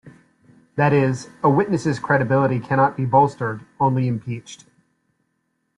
That is, a witness's credibility cannot be bolstered, only impeached.